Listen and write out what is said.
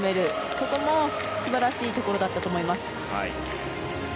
そこも素晴らしいところだったと思います。